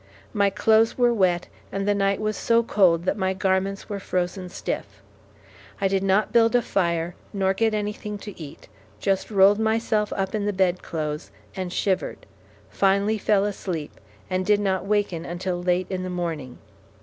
My clothes were wet, and the night was so cold that my garments were frozen stiff. I did not build a fire nor get anything to eat, just rolled myself up in the bed clothes, and shivered; finally fell asleep, and did not waken until late in the morning.